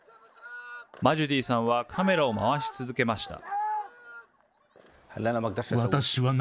マジュディさんはカメラを回し続けました。